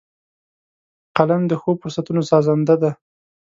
قلم د ښو فرصتونو سازنده دی